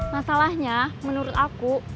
masalahnya menurut aku